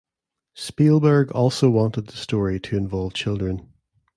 Spielberg also wanted the story to involve children.